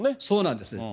そうなんです。